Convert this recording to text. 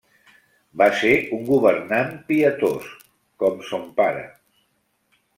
Va ser un governant pietós, com son pare.